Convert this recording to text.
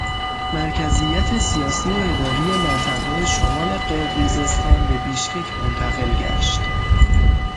مرکزیت سیاسی و اداری منطقه شمال قرقیزستان به بیشکک منتقل گشت